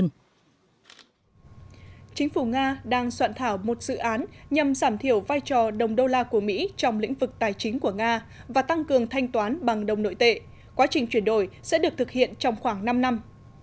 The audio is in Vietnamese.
chính phủ nga đang soạn thảo một dự án nhằm giảm thiểu vai trò đồng đô la của mỹ trong lĩnh vực tài chính của nga và tăng cường thanh toán bằng đồng nội tệ quá trình chuyển đổi sẽ được thực hiện trong khoảng năm năm